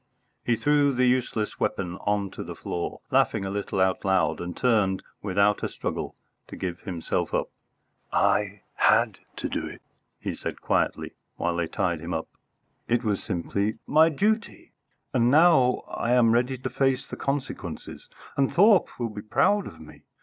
He threw the useless weapon on to the floor, laughing a little out loud, and turned, without a struggle, to give himself up. "I had to do it," he said quietly, while they tied him. "It was simply my duty! And now I am ready to face the consequences, and Thorpe will be proud of me.